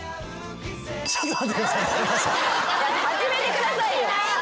始めてくださいよ。